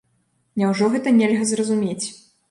Няўжо гэта нельга зразумець?